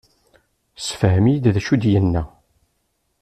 Sefhem-iyi-d d acu i d-inna.